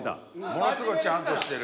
ものすごいちゃんとしてる。